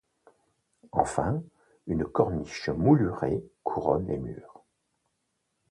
Enfin, une corniche moulurée couronne les murs.